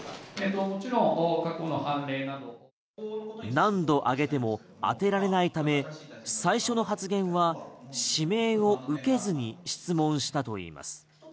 何度上げても当てられないため最初の発言は指名を受けずに質問したといいます。